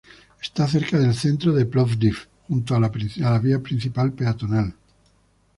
Está cerca del centro de Plovdiv, junto a la principal vía peatonal.